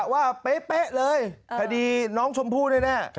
ว่าเป๊ะเลยคดีน้องชมพู่แน่